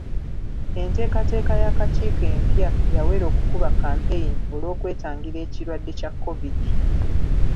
Enteekateeka y'akakiiko empya yawera okukuba kampeyini olw'okwetangira ekirwadde kya Kovidi.